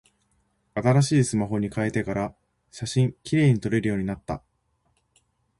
新しいスマホに変えてから、写真綺麗に撮れるようになった。